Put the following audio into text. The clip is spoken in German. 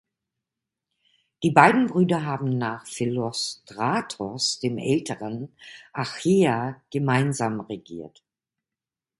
Die beiden Brüder haben nach Philostratos dem Älteren Achaea gemeinsam regiert.